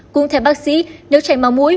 cũng theo bác sĩ nếu chảy máu mũi